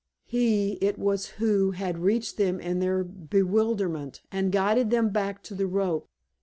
He it was who had reached them in their bewilderment and guided them back to the rope.